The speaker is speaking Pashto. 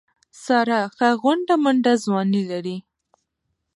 ساره ښه غونډه منډه ځواني لري.